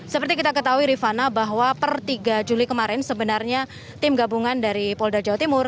seperti kita ketahui rifana bahwa per tiga juli kemarin sebenarnya tim gabungan dari polda jawa timur